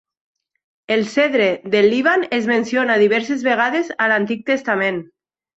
El cedre del Líban es menciona diverses vegades a l'Antic Testament.